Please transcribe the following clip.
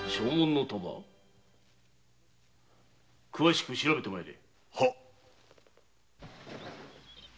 詳しく調べて参れ。